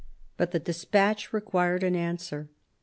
But the despatch required an answer.